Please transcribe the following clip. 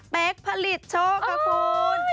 เป๊กผลิตโชคคุณ